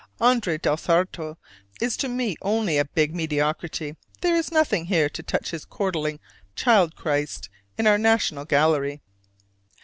Andrea del Sarto is to me only a big mediocrity: there is nothing here to touch his chortling child Christ in our National Gallery.